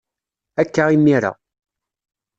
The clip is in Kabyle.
Akka imir-a.